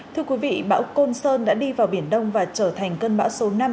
thưa quý vị bão côn sơn đã đi vào biển đông và trở thành cơn bão số năm